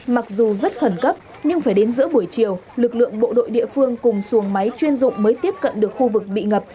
mặc dù rất khẩn cấp nhưng phải đến giữa buổi chiều lực lượng bộ đội địa phương cùng xuồng máy chuyên dụng mới tiếp cận được khu vực bị ngập